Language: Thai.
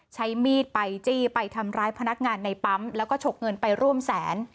ใช้มีดไปจี้ไปทำร้ายพนักงานในปั๊มแล้วก็ฉกเงินไปร่วมแสน